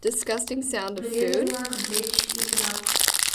Рвезе-влак деч изирак.